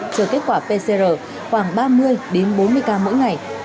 cho kết quả pcr khoảng ba mươi bốn mươi ca mỗi ngày